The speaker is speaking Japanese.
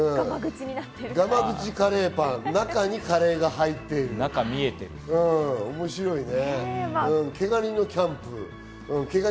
ガマグチ・カレーパンは中にカレーが入っている、面白いね。